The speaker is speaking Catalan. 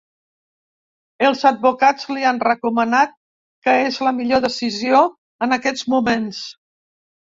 Els advocats li han recomanat que és la millor decisió en aquests moments.